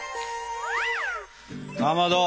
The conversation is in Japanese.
かまど